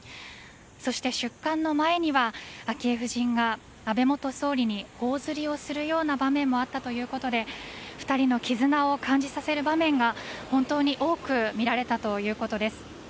そして、出棺の前には昭恵夫人が安倍元総理に頬ずりをするような場面もあったということで２人の絆を感じさせる場面が本当に多く見られたということです。